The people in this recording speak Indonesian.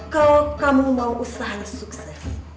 kalau kamu mau usaha yang suka